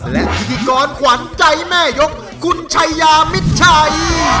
และพิธีกรขวัญใจแม่ยกคุณชัยยามิดชัย